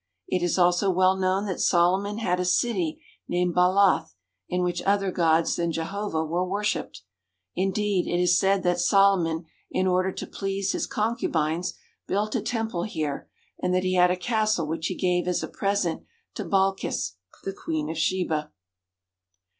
It is also well known that Solomon had a city named Baalath, in which other gods than Jehovah were worshipped. Indeed, it is said that Solomon, in order to please his concubines, built a temple here and that he had a castle which he gave as a present to Balkis, the Queen of Sheba.